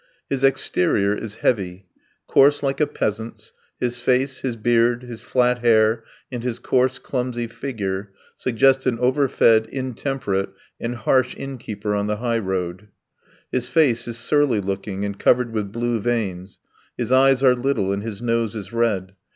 His exterior is heavy coarse like a peasant's, his face, his beard, his flat hair, and his coarse, clumsy figure, suggest an overfed, intemperate, and harsh innkeeper on the highroad. His face is surly looking and covered with blue veins, his eyes are little and his nose is red.